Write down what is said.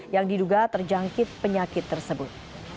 yang diduga terjangkit penyakit tersebut